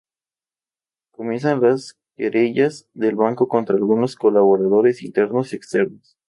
Empiezan las querellas del banco contra algunos colaboradores internos y externos.